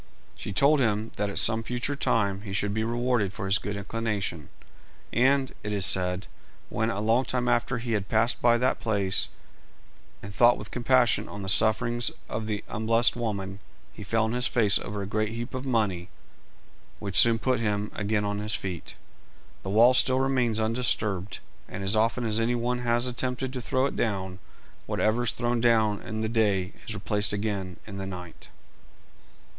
She also told him that at some future time he should be rewarded for his good inclination; and, it is said, when a long time after he passed by that place, and thought with compassion on the sufferings of the unblest woman, he fell on his face over a great heap of money, which soon put him again on his feet. The wall still remains undisturbed, and as often as any one has attempted to throw it down, whatever is thrown down in the day is replaced again in the night.